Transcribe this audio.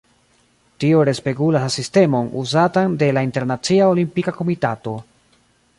Tio respegulas la sistemon uzatan de la Internacia Olimpika Komitato.